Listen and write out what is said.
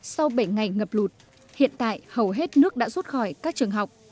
sau bảy ngày ngập lụt hiện tại hầu hết nước đã rút khỏi các trường học